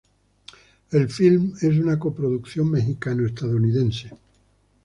El film es una coproducción mexicano-estadounidense.